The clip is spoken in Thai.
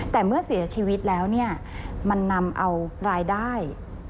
แต่เมื่อเสียชีวิตแล้วเนี่ยมันนำเอารายได้